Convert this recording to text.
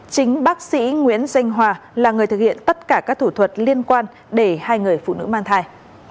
chính bác sĩ nguyễn doanh hòa là người thực hiện tất cả các thủ thuật liên quan để hai người phụ nữ mang thai